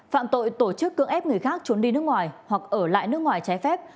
phạm tội tổ chức cưỡng ép người khác trốn đi nước ngoài hoặc ở lại nước ngoài trái phép